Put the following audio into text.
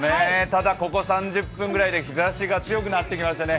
ただここ３０分ぐらいで日ざしがつよくなってきましてね